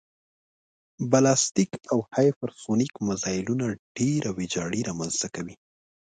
بلاستیک او هیپرسونیک مزایلونه ډېره ویجاړي رامنځته کوي